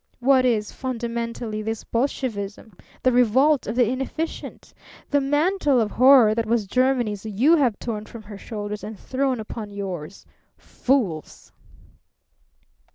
What is, fundamentally, this Bolshevism? The revolt of the inefficient. The mantle of horror that was Germany's you have torn from her shoulders and thrown upon yours. Fools!"